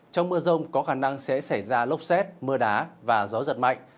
trong mưa rông có khả năng sẽ xảy ra lốc xét mưa đá và gió giật mạnh